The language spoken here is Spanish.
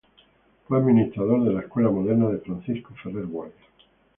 Fue administrador de la Escuela Moderna de Francisco Ferrer Guardia.